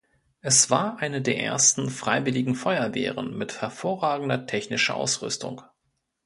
Es war eine der ersten Freiwilligen Feuerwehren mit hervorragender technischer Ausrüstung.